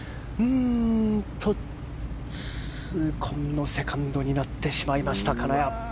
痛恨のセカンドになってしまった金谷。